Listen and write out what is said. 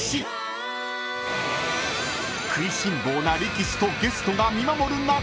［食いしん坊な力士とゲストが見守る中］